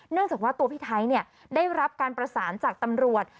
จากว่าตัวพี่ไทยได้รับการประสานจากตำรวจ